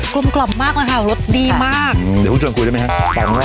กลุ่นกรอบมากนะคะรสดีมากอืมเดี๋ยวฝึกคุยได้ไหมคะ